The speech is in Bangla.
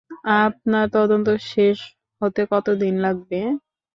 আপনার তদন্ত শেষ হতে কতদিন লাগবে?